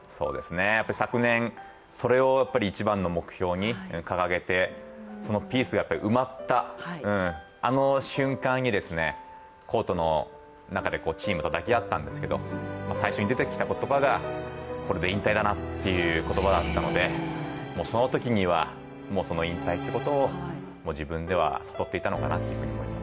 やっぱり昨年それを一番の目標に掲げて、そのピースが埋まった、あの瞬間にコートの中で、チームと抱き合ったんですけど最初に出てきた言葉が「これで引退だな」という言葉だったので、そのときには、引退ということを自分では悟っていたのかなと思います。